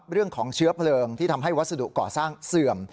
เรื่องของเชื้อเพลิงที่ทำให้วัสดุก่อสร้างเสื่อม